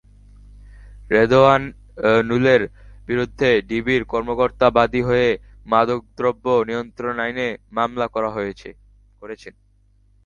রেদওয়ানুলের বিরুদ্ধে ডিবির কর্মকর্তা বাদী হয়ে মাদকদ্রব্য নিয়ন্ত্রণ আইনে মামলা করেছেন।